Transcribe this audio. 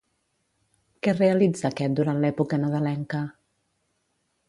Què realitza aquest durant l'època nadalenca?